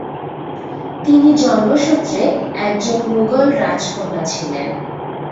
তিনি জন্মসূত্রে একজন মুগল রাজকন্যা ছিলেন।